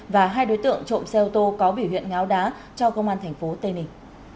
và hai đối tượng trộm xe ô tô có biểu hiện ngáo đá cho công an thành phố tây ninh